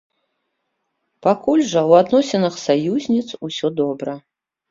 Пакуль жа ў адносінах саюзніц усё добра.